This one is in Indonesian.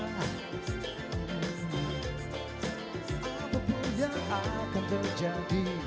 walaupun yang akan terjadi